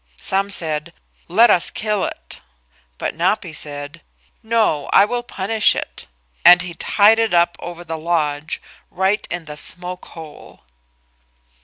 Some said, "Let us kill it," but Napi said, "No, I will punish it," and he tied it up over the lodge, right in the smoke hole.